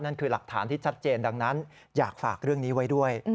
นั่นคือหลักฐานที่ชัดเจนดังนั้นอยากฝากเรื่องนี้ไว้ด้วย